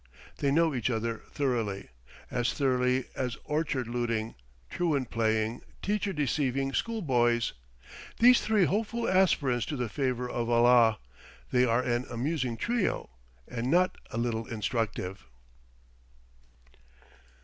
They know each other thoroughly as thoroughly as orchard looting, truant playing, teacher deceiving school boys these three hopeful aspirants to the favor of Allah; they are an amusing trio, and not a little instructive.